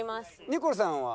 ニコルさんは？